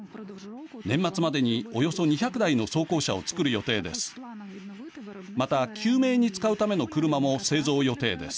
年末までにおよそ２００台の装甲車を造る予定です。